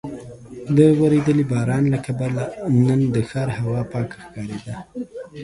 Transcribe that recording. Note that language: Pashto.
د ورېدلي باران له کبله نن د ښار هوا پاکه ښکارېده.